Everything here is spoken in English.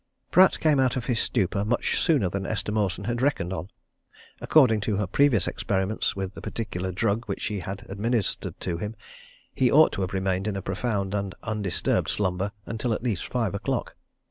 Pratt came out of his stupor much sooner than Esther Mawson had reckoned on. According to her previous experiments with the particular drug which she had administered to him, he ought to have remained in a profound and an undisturbed slumber until at least five o'clock.